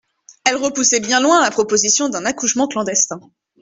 Elle repoussait bien loin la proposition d'un accouchement clandestin.